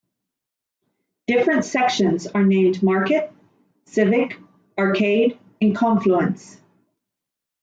Different sections are named Market, Civic, Arcade, and Confluence.